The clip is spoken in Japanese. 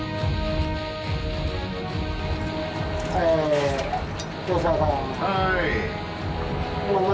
はい。